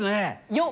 よっ！